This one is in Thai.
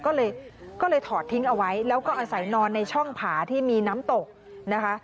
ก็เลยก็เลยถอดทิ้งเอาไว้แล้วก็อาศัยนอนในช่องผาที่มีน้ำตกนะคะ